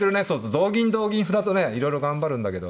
同銀同銀歩だとねいろいろ頑張るんだけど。